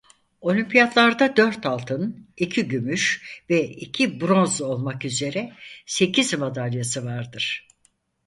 Olimpiyatlarda dört altın iki gümüş ve iki bronz olmak üzere sekiz madalyası vardır.